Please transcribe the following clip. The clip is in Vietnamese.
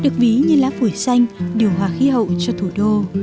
được ví như lá phổi xanh điều hòa khí hậu cho thủ đô